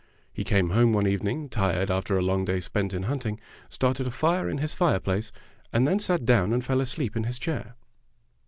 He came home one evening, tired after a long day spent in hunting, started a fire in his fireplace, and then sat down and fell asleep in his chair.